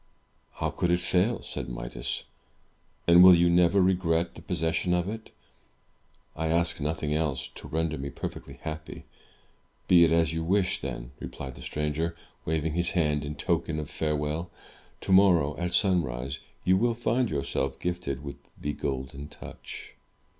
"How could it fail?" said Midas. "And will you never regret the possession of it?" "I ask nothing else, to render me perfectly happy." "Be it as you wish, then," replied the stranger, waving his hand in token of farewell. "Tomorrow, at sunrise, you will find yourself gifted with the Golden Touch."